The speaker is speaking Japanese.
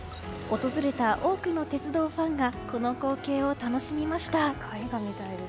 訪れた多くの鉄道ファンがこの光景を楽しみました。